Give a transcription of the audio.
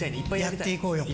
やっていこうよ。